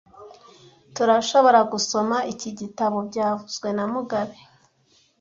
Turashoboragusoma iki gitabo byavuzwe na mugabe